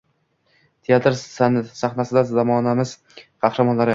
Teatr sahnasida zamonamiz qahramonlari